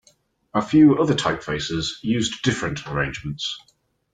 A few other typefaces used different arrangements.